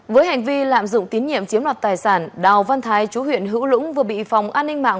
với hành vi lạm dụng tín nhiệm chiếm đoạt tài sản đào văn thái chú huyện hữu lũng vừa bị phòng an ninh mạng